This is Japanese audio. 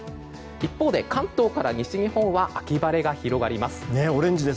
一方で関東から西日本は秋晴れが広がります。